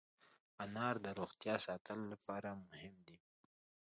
انار د روغتیا ساتلو لپاره مهم دی.